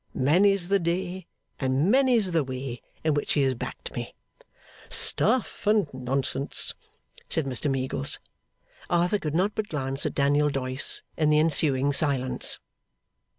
Many's the day, and many's the way in which he has backed me.' 'Stuff and nonsense,' said Mr Meagles. Arthur could not but glance at Daniel Doyce in the ensuing silence.